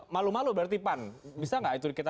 malu malu berarti pan bisa tidak kita